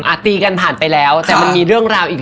ตีกันผ่านไปแล้วแต่มันมีเรื่องราวอีก